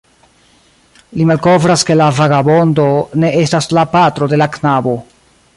Li malkovras, ke la vagabondo ne estas la patro de la knabo.